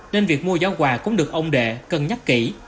nên việc mua giỏ quà cũng được ông đệ cần nhắc kỹ